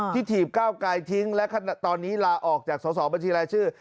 ที่ถีบก้าวกายทิ้งและตอนนี้ลาออกจากสอสอบัญชีอะไรชื่อ